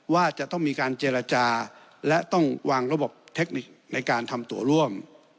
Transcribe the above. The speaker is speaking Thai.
ว่าจะต้องมีการเจรจาและต้องวางระบบเทคนิคในการทำตัวร่วม